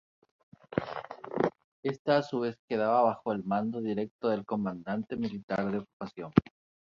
Esta a su vez quedaba bajo el mando directo del comandante militar de ocupación.